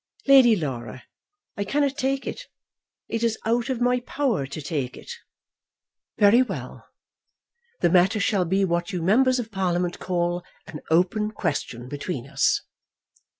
"Lady Laura, I cannot take it. It is out of my power to take it." "Very well. The matter shall be what you members of Parliament call an open question between us.